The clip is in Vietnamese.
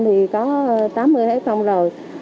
thì có tám mươi f rồi